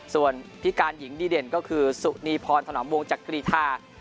ส่วนพิการหญิงดีเด่นก็คือสุนีพรถนอมวงจักรีธา